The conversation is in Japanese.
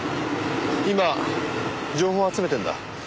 今情報を集めてんだ。